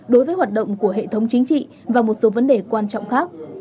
đối với hoạt động của hệ thống chính trị và một số vấn đề quan trọng khác